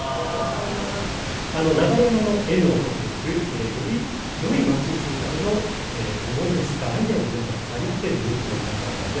流山のＮを取ってよりよい街にするための思いとかアイデアを語り合っている皆さんなんです。